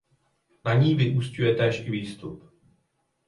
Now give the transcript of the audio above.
Na ní vyúsťuje též i výstup.